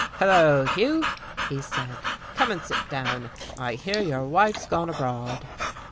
"Hello, Hugh," he said, "come and sit down. I hear your wife's gone abroad."